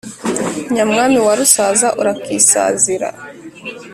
nyamwami wa rusaza urakisazira.